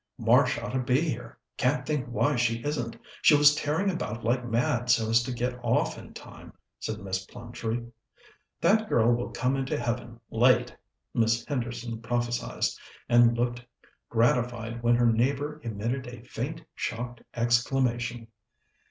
"Marsh ought to be here can't think why she isn't. She was tearing about like mad so as to get off in time," said Miss Plumtree. "That girl will come into heaven late," Miss Henderson prophesied, and looked gratified when her neighbour emitted a faint, shocked exclamation.